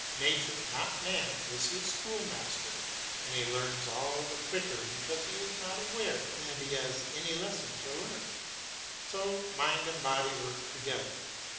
Nature, not man, is his schoolmaster, and he learns all the quicker because he is not aware that he has any lesson to learn. So mind and body work together.